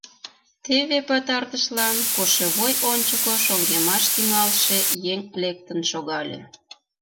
Теве, пытартышлан, кошевой ончыко шоҥгемаш тӱҥалше еҥ лектын шогале.